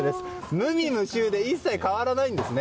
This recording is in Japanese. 無味無臭で一切変わらないんですね。